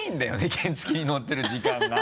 原付に乗ってる時間が。